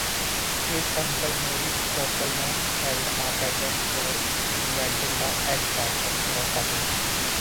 His uncle, Morris Koppelman, held a patent for inventing the Egg carton.